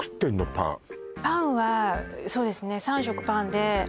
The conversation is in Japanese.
パンパンはそうですね